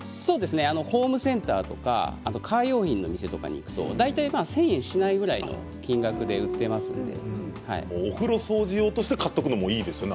ホームセンターやカー用品の店に行くと大体１０００円しないぐらいの金額でお風呂掃除用として買っておくのもいいですね